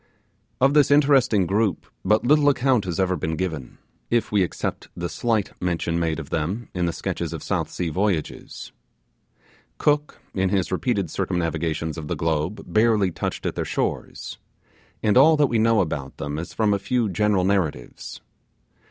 Of this interesting group, but little account has ever been given, if we except the slight mention made of them in the sketches of South Sea voyages. Cook, in his repeated circumnavigations of the globe, barely touched at their shores; and all that we know about them is from a few general narratives.